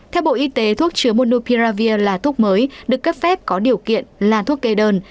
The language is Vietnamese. theo bộ y tế thuốc chứa monupiravir là thuốc mới được cấp phép có điều kiện là thuốc kê đơn